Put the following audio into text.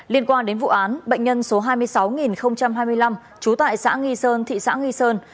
liên quan đến vụ án bệnh nhân số hai mươi sáu nghìn hai mươi năm trú tại xã nghi sơn thị xã nghi sơn